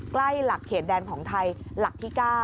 ใกล้หลักเขตแดนของไทยหลักที่๙